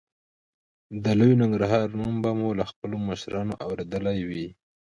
د لوی ننګرهار نوم به مو له خپلو مشرانو اورېدلی وي.